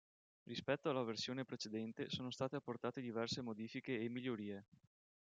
Rispetto alla versione precedente sono state apportate diverse modifiche e migliorie.